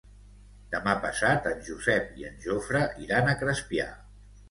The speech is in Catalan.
Demà passat en Josep i en Jofre iran a Crespià.